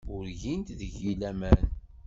Ur gint deg-i laman.